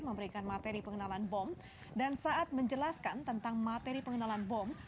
memberikan materi pengenalan bom dan saat menjelaskan tentang materi pengenalan bom